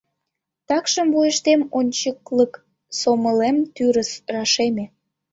Такшым вуйыштем ончыклык сомылем тӱрыс рашеме.